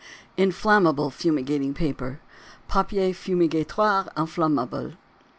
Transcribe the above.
INFLAMMABLE FUMIGATING PAPER. Papier Fumigatoire Inflammable.